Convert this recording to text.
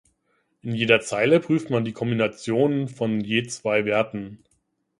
In jeder Zeile prüft man die Kombinationen von je zwei Werten.